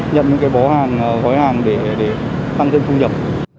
nhận những cái bó hàng gói hàng để tăng thêm thu nhập